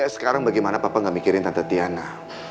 sekarang bagaimana papa gak mikirin tante tiana